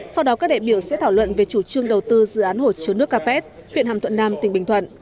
sau đó các đại biểu sẽ thảo luận về chủ trương đầu tư dự án hồ chứa nước capet huyện hàm thuận nam tỉnh bình thuận